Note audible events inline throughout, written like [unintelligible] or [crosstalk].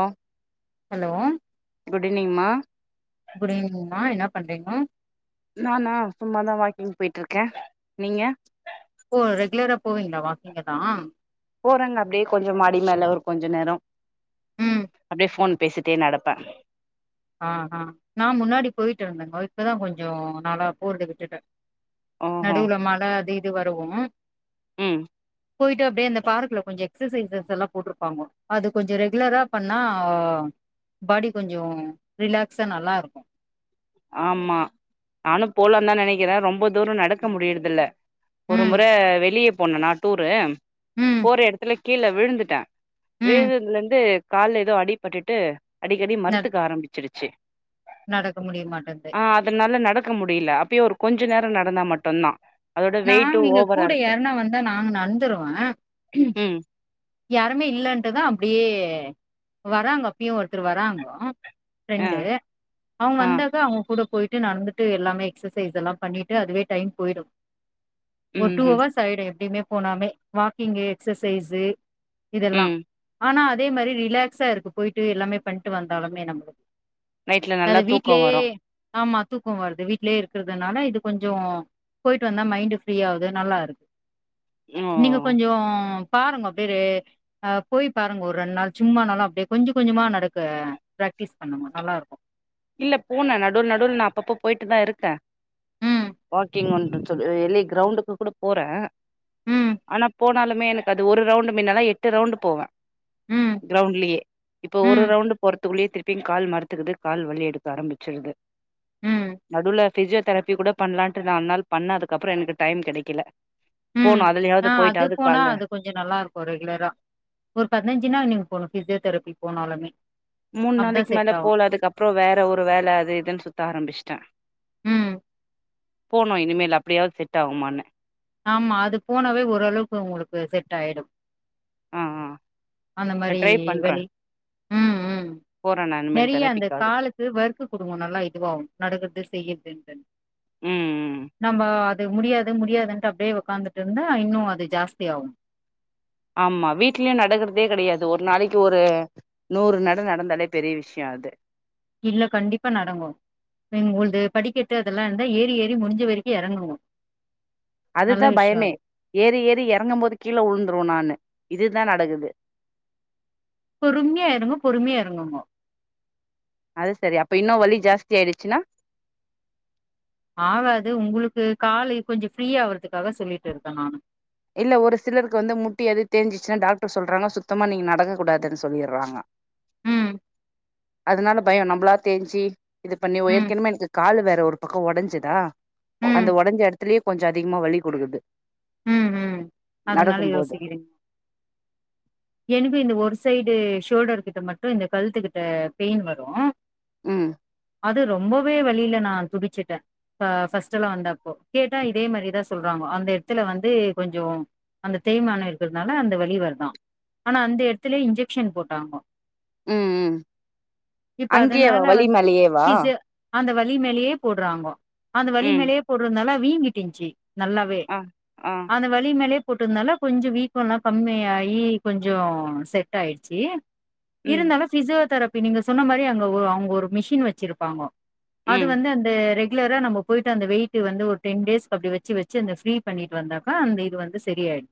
ஆ hello good evening மா good evening மா என்ன பண்றீங்க நானா சும்மாதான் வாக்கிங் போயிட்டுருக்க நீங்க ஓ ரெகுலரா போவீங்களா வாக்கிங் எல்லா போறங்க அப்டியே கொஞ்சம் மாடி மேல ஒரு கொஞ்ச நேரம் ம் அப்டியே போன் பேசிட்டே நடப்ப ஆஹ்ஹ் நான் முன்னாடி போயிட்டு இருந்தங்க இப்ப தா கொஞ்ச நாளா போறது விட்டுட்ட ஓஹோ நடுவுல மழ அது இது வரும் ம் போயிட்டு அப்டியே அந்த பாரகுள்ள கொஞ்ச எக்சசைசஸ் எல்லாம் போட்டிருப்பாங்க அது கொஞ்ச ரெகுலரா பண்ணா பாடி கொஞ்சம் ரிலாக்ஸா நல்லா இருக்கும் ஆமா நானும் போலானு தா நெனக்கிற ரொம்ப தூரம் நடக்க முடியுறது இல்ல ஒரு ம் முறை வெளிய போனனா டூரு ம் போற எடத்துல கீழ விழுந்துட்ட ம் விழுந்தலந்து கால்ல எதோ அடிப்பட்டுட்டு அடிக்கடி ந மரத்துக்க ஆரம்பிச்சிருச்சு நடக்க முடிமாட்டன் ஆ அதனால நடக்க முடில அப்பயு ஒரு கொஞ்ச நேரோ நடந்தா மட்டுந்தா அதோட நா வெயிட்டு நீங்க ஓவரா கூட இருக்கு யார்னா வந்தா நாங்க நந்துருவே ம் யாருமே இல்லன்ட்டுதா அப்டியே வராங்க அப்பியு ஒர்த்தர் வராங்கோ ஆ ரெண்டு அவுங்க ஆ வந்தாக்கா அவுங் கூட போய்ட்டு நட்ந்துட்டு எல்லாமே எக்ஸசைஸ் எல்லா பண்ணிட்டு அதுவே டைம் போய்டு ஒரு ம் டூ ம் அவர்ஸ் ஆய்டு எப்பயிமே போனாமே வாக்கிங்கு எக்ஸசைஸு இதெல்லா ம் ஆனா அதே மாரி ரிலாக்ஸாருக்கு போய்ட்டு எல்லாமே பண்ட்டு வந்தாலுமே நம்ளு நைட்ல நல்லா அது தூக்கோ வீட்லே வரு ஆமா தூக்கோ வர்து வீட்லே இருக்கற்துனால இது கொஞ்சோ போய்ட்டு வந்தா மைண்டு ஃப்ரீயாவுது நல்லாரு ஓ நீங்க கொஞ்சோ பாருங்க பேரு ஆ போய் பாருங்க ஒரு ரெண்நாள் சும்மானாலு அப்டே கொஞ்ச கொஞ்சமா நடக்க பிராக்டிஸ் பண்ணுங்க நல்லாருக்கு இல்ல போனே நடுல் நடுல்ல நா அப்பப்ப போய்ட்டு தாருக்கே ம் வா [unintelligible] வெளிய கிரௌண்டுக்கு கூட போறே ம் ஆனா போனாலுமே எனக்கு அது ஒரு ரவுண்டு மின்னலா எட்டு ரவுண்டு போவே ம் க்ரௌண்ட்லயே இப்போ ஒரு ம் ரவுண்டு போறதுக்குள்ளயே திருப்பியு கால் மரத்துக்குது கால் வலி எடுக்க ஆரம்பிச்சிருது ம் நடுவுல பிசியோதெரபி கூட பண்லான்ட்டு நால் நாள் பண்ணே அதுக்கப்றோ எனக்கு டைம் கெடைக்கல போனு அதுலயாவ்து போய்ட்டாவ்து கால்ல கொஞ்சோ நல்லாருக்கு ரெகுலரா ஒரு பத்னஞ்சு நாள் நீங்க போனு பிசியோதெரபி போனாலுமே மூன் அப்பதான் நாளைக் மேல செட் ஆகும். போல அதுக்கப்றோ வேற ஒரு வேல அது இதுன் சுத்த ஆரம்பிச்ட்டே ம். போனு இனிமேல் அப்டியாவ்து செட்டாகுமானு ஆமா அது போனாவே ஓரளவுக்கு உங்ளுக்கு செட்டாய்டு ஆ ஆ அந்த மாரி ட்ரை பண்றே வலி‌ ம் ம் போறே நா இனிமேல் நறியா அந்த தெரபிக்காக காலு க்கு வர்க்கு குடுங்க நல்லா இதுவாவு நடக்கற்து செய்யற்து ம் நம்ம முடியாது முடியாதுன்ட்டு அப்டே ஒக்காந்துட்ருந்தா இன்னு அது ஜாஸ்தி ஆவு ஆமா வீட்லியு நடக்கற்தே கெடயாது ஒர் நாளக்கி ஒரு நூறு நட நடந்தாலே பெரிய விஷ்யோ அது இல்ல கண்டிப்பா நடங்கோ [unintelligible] படிக்கட்டு அதெல்லா இருந்தா ஏறி ஏறி முடிஞ்ச வரைக்கு எறங்குங்கோ அதுதா பயமே ஏறி ஏறி எறங்கம்போது கீழ வுழ்ந்துருவே நானு இதுதா நடக்குது பொறுமயா ஏறுங்கோ பொறுமயா எறங்குங்கோ அது செரி அப்ப இன்னு வலி ஜாஸ்தி ஆய்ருச்சுன்னா ஆகாது உங்ளுக்கு காலு கொஞ்சோ ஃப்ரீ ஆவுறதுக்காக சொல்லிட்ருக்கே நானு இல்ல ஒரு சிலருக்கு வந்து முட்டி அது தேஞ்சிச்சுனா டாக்டர் சொல்றாங்க சுத்தமா நீங்க நடக்க கூடாதுன் சொல்லிட்றாங்க ம் அதனால பயோ நம்ளா தேஞ்சி இது பண்ணி ம் ஏற்கனமே எனக்கு காலு வேற ஒரு பக்கோ ஒடன்ஞ்சிதா ம் அந்த ஒடஞ்ச எடத்துலே கொஞ்சோ அதிகமா வலி குடுக்குது ம் ம் அதனால நடக்கும் போது யோசிக்கிறீங் எனக்கு இந்த ஒரு சைடு ஷோல்டர் கிட்ட மட்டு இந்த கழ்த்துக்கிட்ட பெயின் வரு ம் அது ரொம்பவே வலில நா துடிச்சுட்டே ப ஃபஸ்ட்டெல்லா வந்தப்போ கேட்டா இதே மாரிதா சொல்றாங்கோ அந்த த்துல வந்து கொஞ்சோ அந்த தேய்மானோ இருக்குறதுனால அந்த வலி வருதா ஆனா அந்த எடத்துலயே இன்ஜெக்க்ஷன் போட்டாங்கோ ம் ம் இப்ப அங்கேயேவா அதனால வலி வந்து மேலயேவா பி அந்த வலி மேலேயே போடுறாங்கோ அந்த வலி ம் மேலேயே போடுறதுனால வீங்கிட்டுச்சு நல்லாவே ஆ ஆ அந்த வலி மேலயே போட்டதுனால கொஞ்சோ வீக்கோ எல்லா கம்மிய ஆகி கொஞ்சோ செட் ஆயிடுச்சு ம் இருந்தாலு பிசியோதெரபி நீங்க சொன்ன மாரி அங்க அவுங்க ஒரு மிஷின் வச்சிருப்பாங்கோ அது ம் வந்து அந்த ரெகுலரா நம்ம போயிட்டு அந்த வெயிட் வந்து ஒரு டென் டேஸுக்கு அப்டி வச்சு வச்சு அந்த ஃபீல் பண்ணிட்டு வந்தாப்பா அந்த இது வந்து சரி ஆயிடு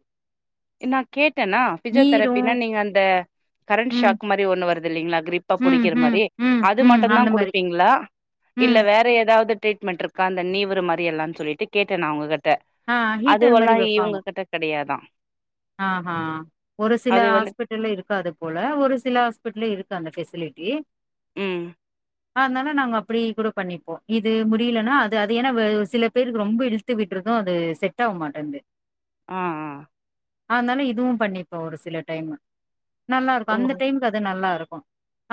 நா கேட்டேனா ஈரு பிசியோதரபினா நீங்க அந்த கரண்ட் ம் ஷாக் மாரி ஒன்னு வருது இல்லைங்ளா அக் ம் புடிக்கிற ம் மாரி ம் அது ம் மட்டுந்தா அந்த மாரி குடுப்பீங்ளா ம் இல்ல வேற ஏதாவது ட்ரீட்மெண்ட் இரு அக்கா அந்த நீவுற மாரி எல்லான் சொல்லிட்டு கேட்டே நா அவுங்க கிட்ட ஆ ஹீட்டர் மாரி அதுவல்லா இவுங்ககிட்ட கெடையாதா ஆஹ ஒரு சில அது வந்து ஆஸ்பிட்டல் இதுலா இருக்காது போல ஒரு சில ஹாஸ்பிட்டல்ல இருக்கு அந்த பெசிலிட்டி உம் அதனால நாங்க அப்டி கூட பண்ணிப்போ இது முடியலன்னா அது அது ஏன்னா சில பேருக்கு ரொம்ப இழுத் எத்து விட்டுறது அது செட் ஆக மாட்டேன்து ஆ ஆ அதனால இதுவு பண்ணிப்போ ஒரு சில டைமு நல்லா ஓ இருக்கு அந்த டைமுக்கு அது நல்லா இருக்கு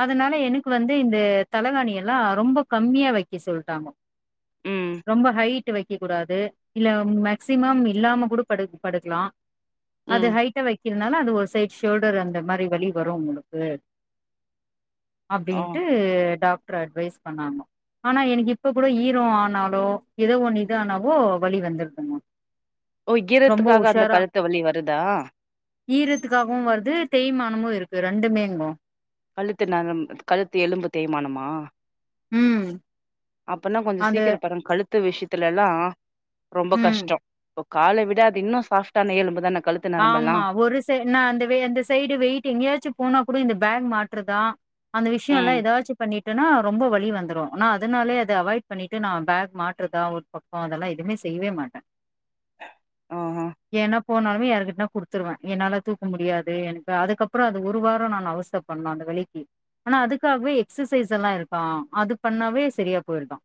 அதனால எனக்கு வந்து இந்த தலகாணி எல்லா ரொம்ப கம்மியா வக்க சொல்ட்டாங்க ம் ரொம்ப ஹைட் வெக்க இருக்க கூடாது இல்ல மேக்சிமம் இல்லாம கூட படு படுக்கலா அது ம் ஹைட்ட வைக்குறதுனால அது ஒரு சைட் ஷோல்டர் அந்த மாரி வழி வரு ஒங்களுக்கு ஆ அப்டின்ட்டு டாக்டர் அட்வைஸ் பண்ணாங்கோ ஆனா எனக்கு இப்ப கூட ஈரோ ஆனாலோ ஏதோ ஒன்னு இது ஆனாவோ வழி வந்துருதுங்கம்மா ஓ இரத்துக்காக அந்த கழுத்து வலி வருதா ஈரத்துக்காகவு வருது தேய்மானமு இருக்கு ரெண்டுமேங்கோ கழுத்து நர கழுத்து எலும்பு தேய்மானமா உம் அப்டின்னா கொஞ்ச சீக்கிர பாருங்க கழுத்து விஷயத்துல எல்லா ரொம்ப ம் கஷ்டோ கால விட அது இன்னு சாப்டான எலும்புதான கழுத்து நரம்பெல்லா ஆமா ஒரு சை நா அந்த அந்த சைடு வெயிட்டு எங்கேயாச்சு போனா கூட இந்த பேக் மாற்றதா அந்த விஷயோ எல்லா ம் எதாச்சு பண்ணிட்டுன்னா ரொம்ப வலி வந்துரு நா அதனாலே அத அவாய்ட் பண்ணிட்டு நாை பேக் மாற்றுதா பக்கோ அதெல்லா எதுமே செய்யவே மாட்டே ஆஹா ஏனா போனாலுமே யாருக் குடுத்துருவே என்னால தூக்க முடியாது எனக்கு அதுக்கப்புறோ அது ஒரு வாரோ நா அவஸ்த்த படனு அந்த வலிக்கு ஆனா அதுக்காகவே எக்ஸசைஸ் எல்லா இருக்கா அது பண்ணாவே சரியா போயிருதா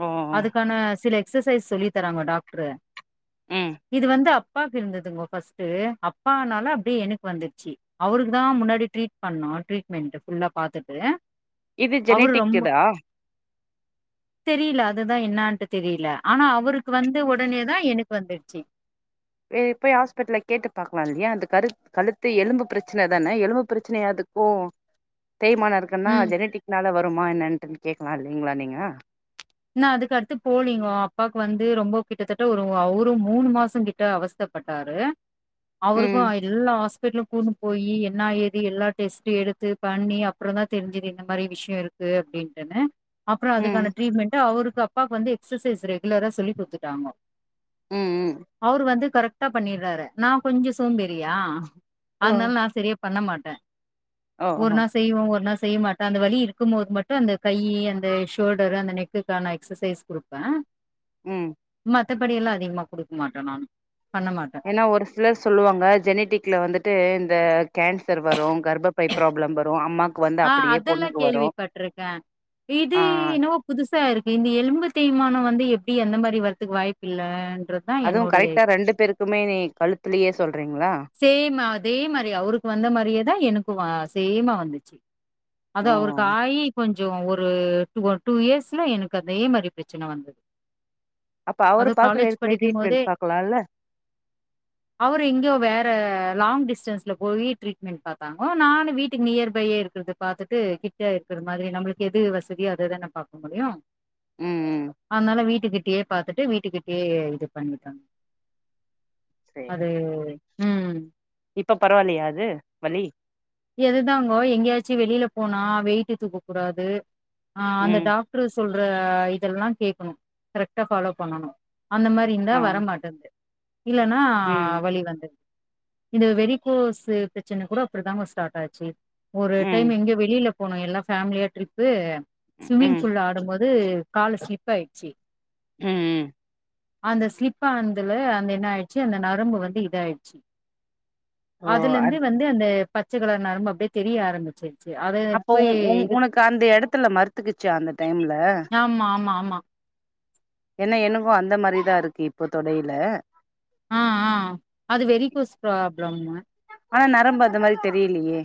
ஓ அதுக்கான சில எக்சசைஸ் சொல்லி தராங்க டாக்ரு ம் இது வந்து அப்பாக்கு இருந்ததுங்க பஸ்ட்டு அப்பாானால அப்டியே எனக்கு வந்துருச்சி அவருக்கு தா முன்னாடி ட்ரீட் பண்ணோ டரீட்மெண்ட்டு ஃபுல்லா பாத்துட்டு இது அவரு ஜெனட்டிக் ரொம்ப இதா தெரியல அதுத என்னான்ட்டு தெரியல ஆனா அவருக்கு வந்து ஒடனே தா எனக்கு வந்துடுச்சி வே போய் ஹாஸ்பிட்டல்ல கேட்டு பாக்கலா இல்லைய அ கரு கழுத்து எலும்பு பிரச்சனை தான எலும்பு பிரச்சனைய அதுக்கு தேய்மான இருக்கு ன்னா ம் ஜெனெட்டிக்னால வருமா என்னட்டுன்னு கேக்கலா இல்லீங்களா நீங்க இன்னா அதுக்கு அடுத்து போலீங்கோ அப்பாக்கு வந்து ரொம்ப கிட்டத்தட்ட ஒரு ஒரு மூணு மாசோங் கிட்ட கிட்ட அவஸ்தப் பட்டாரு அவருக்கு ம் எல்லா ஹாஸ்பிட்டலு கூட்னு போயி என்னா ஏது எல்லா டெஸ்ட்டு எடுத்து பண்ணி அப்றோந்தா தெரிஞ்சுது இந்த மாரி விஷ்யோ இருக்கு அப்டின்ட்டுன்னு அப்றோ ம் அதுக்கான ட்ரீட்மெண்ட்டு அவருக்கு அப்பாவுக்கு வந்து எக்சசைஸ் ரெகுலரா சொல்லி குடுத்துட்டாங்கோ ம் ம் அவரு வந்து கரெக்டா பண்ணீட்றாரு நா கொஞ்ச சோம்பேறியா ம் அதுனால நா செரியா பண்ண மாட்டே ஒரு ஓஹோ நாள் செய்வோ ஒரு நாள் செய்ய மாட்டோ அந்த வலி இருக்கும் போது மட்டு அந்த கை அந்த ஷோல்டரு அந்த நெக் க்குக்கான எக்ஸசைஸ் குடுப்பே ம் மத்தப்படி எல்லா அதிகமா குடுக்க மாட்டே நானு பண்ண மாட்டே ன்னா ஒரு சிலர் சொல்லுவாங்க ஜெனட்டிக்ல வந்துட்டு இந்த கேன்சர் வரு கர்பப்பை ப்ராப்ளம் வரு அம்மாக் ஆ அதெல்லா கேள்விப்பட்ருக்கே இது ஆ இன்னவோ புதுசா இருக்கு இந்த எலும்பு தேய்மானோ வந்து எப்டி அந்த மாரி வர்றதுக்கு வாய்ப்பு இல்லன்றது அதுவு கரெக்ட்டா ரெண்டு பேருக்குமே நீ கழுத்துலேயே சொல்றீங்களா சேம் அதே மாரி அவருக்கு வந்த மாரியேதா எனக்கு சேமா வந்துச்சு அது ஓ அவருக்கு ஆகி கொஞ்ச கொஞ்ச ஒரு டூ வ டூ இயர்ஸ்ல எனக்கு அதே மாரி ப்ரச்சன வந்தது அப்ப அவரு அதுவு பாக்குற காலேஜ் எடத்துலயே படிக்கும் போதே டரீட்மெண்ட் பாக்கலால்ல அவரு எங்கயோ வேற ட்ட லாங் டிஸ்டன்ஸ்ல போயி ட்ரீட்மெண்ட் பாத்தாங்கோ நானு வீட்டுக்கு நியர் பையே இருக்குறத பாத்துட்டு கிட் ட்ட இருக்குற மாதிரி நம்மளுக்கு எது வசதியோ அது தான பாக்க முடியு ம் ம் அதுனால வீட்டுக்கிட்டயே பாத்துட்டு வீட்டுக்கிட்டயே இது பண்ணிகிட்டோங்க சேரி அது ம் ம் இப்ப பரவாயில்லையா அது வலி எதுதாங்கோ எங்கேயாச்சு வெளில போனா வெயிட்டு தூக்கக் கூடாது ஆ அந்த ம் டாக் ட்ரு சொல்ற இதெல்லா கேக்ணு கரெக்டா பாலோ பண்ணனு அந்த மாரி இப்டி இருந்தா ஆ வரமாட்டேங்குது இல்லேன்னா ம் வலி வந்துருது இந்த வெரிகோஸு ப்ரச்சனை கூட அப்டி தாங்க ஸ்டார்ட் ஆச்சு ஒரு ம் டைம் எங்க வெளில போனு எல்லா ஃபேமிலியா ட்ரிப்பு ஸ்விம்மிங் ம் ஃபூல்ல ஆடும்போது காலு ஸ்லிப் ஆயிடுச்சு ம் ம் அந்த ஸ்லீப் ஆனதுல்ல அந்த என்ன ஆயிடுச்சு அந்த நரம்பு வந்து இதா ஆயிடுச்சு ஓ அதுல இருந்து அது வந்து அந்த பச்சக் கலர் நரம்பு அப்டியே தெரிய ஆரம்பிச்சுது ச்சு அதேத இப் அப்போ போயி உ உ இது உனக்கு அந்த எடத்துல மறுத்துக்குச்சா அந்த டைம்ல ஆமா ஆமா ஆமா ஏன்னா எனக்கு அந்த மாரிதா இருக்கு இப்போ தொடயில ஆ ஆ அது வெரிஸ்கோஸ் ப்ராப்ளம்ங்க ஆனா நரம்பு அந்த மாரி தெரியலையே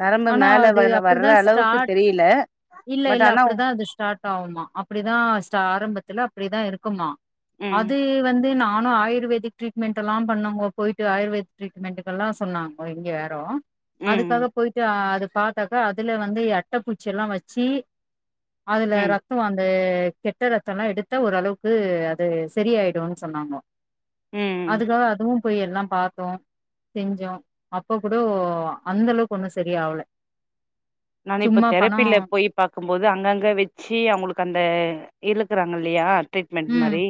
நரம்பு ஆனா மேல அது வர்ற வர்ற அப்டிதா அளவுக்கு ஸ்டார்ட் தெரியல இல்ல பட் இல்ல ஆனா அப்டிதா அது ஸ்டார்ட் ட் ஆவுமா அப்புடிதா ஸ்டா ஆரம்பத்துல அப்டிதா இருக்குமா ம் அது வந்து நானு ஆயுர்வேதிக் ட்ரீட்மெண்ட்லா பண்ணாங்கோ போயிட்டு ஆயுர்வேதிக் ட்ரட்மெண்ட்டுகல்லா சொன்னாங்கோ இங்க யாரோ அதுக்காக ம் போயிட்டு அது பாத்தாக்கா அதுல வந்து அட்டப்பூச்சி எல்லா வச்சு அதுல ரா ம் து அந்த கெட்ட ரத்தொல்லா எடுத்தா ஓரளவ்க்கு அது செரியாயிடுன் சொன்னாங்கொ ம் அதுக்காக அதுவு போய் எல்லா பாத்தோ செஞ்சோ அப்ப கூடோ அந்த அளவ்க்கு ஒன்னு சரியாவுல நானிப்ப தெரப்பில்ல போய் பாக்கும்போது அங்கங்க வச்சி அவுங்களுக்கந்த இழுக்குறாங்கல்லியா ட்ரீட்மெண்ட் ம் மாரி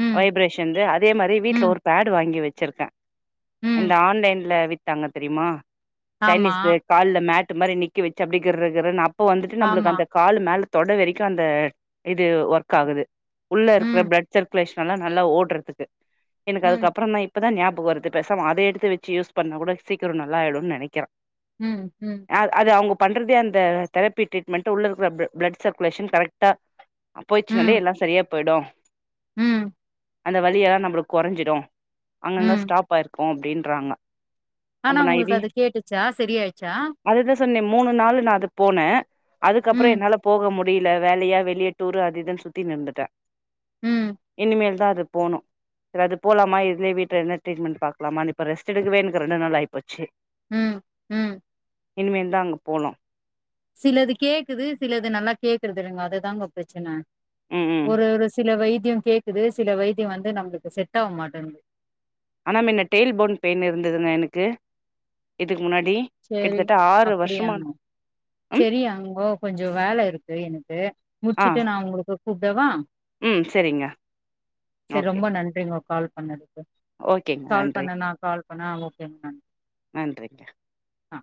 ம் வைப்ரேஷன்து அதே மாரி வீட்ல ம் ஒரு பேடு வாங்கி வச்சிருக்கே ம் இந்த ஆன்லைன்ல வித்தாங்க தெரிமா ஆமா சைனீஸ்து கால்ல மேட்டு மாரி நிக்க வச்சு அப்டி கிர்ரு கிர்ருன் அப்ப வந்துட்டு நம்ளுக்கு ஆமா அந்த கால மேல தொட வரைக்கு அந்த இது ஒர்க் ஆகுது உள்ள இருக்குற ம் பிளட் சர்குலேஷ ன்லா நல்லா ஓட்றதுக்கு எனக்கு ம் அதுக்கப்றொந்தா இப் பதா ஞாபக வருது பேசாம அத எடுத்து வச்சு யூஸ் பண்ணா கூட சீக்கிரொ நல்லாயிடுன் நெனக்கிறே ம் ம் அது அவுங்க பண்றதே அந்த தெரபி ட்ரீட்மெண்ட்டு உள்ள இருக்குற ப்ள‌ ப்ளட் சர்குலேஷன் கரெக்டா போயிச்சுனாலே ம் எல்லா சரியா போய்டு ம் அந்த வலியெல்லா நம்பளுக் கொறஞ்சிடு அங்கங்க ம் ஸ்டாப் ஆயிருக்கு அப்டின்றாங்க ஆனா அப்ப நா உங்களுக் இது அது கேட்டுச்சா செரி ஆயிச்சா? அதுதா சொன்னே மூணு நாளு நா அது போனே அதுக்கப்றொ ம் என்னால போக முடியில வேலயா வெளிய டூரூ அது இதுன் சுத்தின் இருந்துட்டே ம் இனிமேல்தா அது போனு செர் அது போலாமா இதுலே வீட்ல எதுனா ட்ரீட்மென்ட் பாக்லாமானு இப்ப ரெஸ்ட் எடுக்கவே எனக்கு ரெண்டு நாள் ஆய் போச்சு ம் ம் இனிமேல் தா அங்க போலு சிலது கேக்குது சிலது நல்லா கேக்குறதுல்லங்க அதுதாங்கொ பிரச்சன ம் ம் ஒரு ஒரு சில வைத்தியொ கேக்குது சில வைத்தியொ வந்து நம்ளுக்கு செட்டாவ மாட்டென்து ஆனா மின்ன டெயில் போன் பெயின் இருந்ததுங்க எனக்கு இதுக்கு முன்னாடி கிட்டத்தட்ட ஆறு வர்ஷமா செரி அங்கோ கொஞ்சோ வேல இருக்கு எனக்கு ஆ முட்ச்சுட்டு நா உங்களுக்கு கூப்டவா? ம் சரிங்க செர் ஓகே ரொம்ப நன்றிங்கோ கால் பண்ணது ஓகேங்க கால் நன்றி பண்ண நா கால் பண்ணே ஓகே [unintelligible] நன்றிங்க அ